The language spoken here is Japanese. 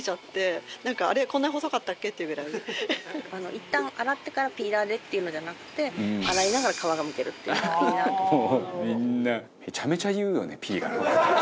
いったん洗ってからピーラーでっていうのじゃなくて洗いながら皮がむけるっていうのがいいなと思って。